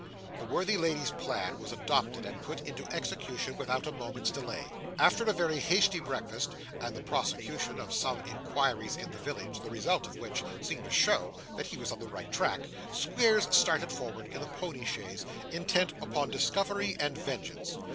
The worthy lady's plan was adopted and put in execution without a moment's delay. After a very hasty breakfast, and the prosecution of some inquiries in the village, the result of which seemed to show that he was on the right track, Squeers started forth in the pony chaise, intent upon discovery and vengeance.